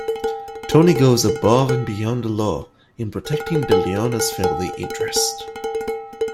Toni goes above and beyond the law in protecting the Leone family's interests.